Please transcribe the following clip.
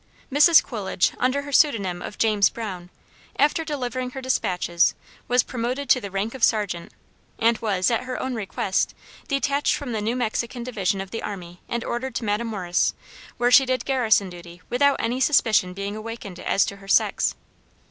Mrs. Coolidge (under her pseudonym of James Brown), after delivering her despatches, was promoted to the rank of sergeant, and was, at her own request, detached from the New Mexican division of the army and ordered to Matamoras, where she did garrison duty without any suspicion being awakened as to her sex.